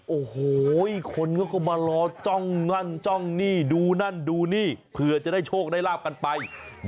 โอ้โหคนเขาก็มารอจ้องนั่นจ้องนี่ดูนั่นดูนี่เผื่อจะได้โชคได้ลาบกันไป